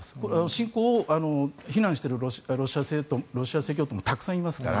侵攻を非難しているロシア正教徒もたくさんいますから。